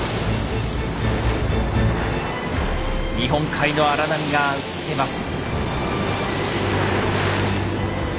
日本海の荒波が打ちつけます。